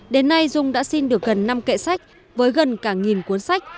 đến nay dung đã xin được gần năm kệ sách với gần cả nghìn cuốn sách